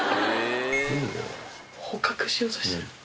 捕獲しようとしてる。